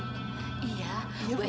iya itu sebaiknya si rat aja